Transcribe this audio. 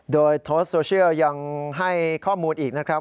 โดยโพสต์โซเชียลยังให้ข้อมูลอีกนะครับ